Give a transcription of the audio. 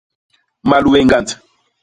Malue ñgand.